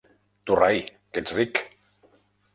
Tu rai, que ets ric!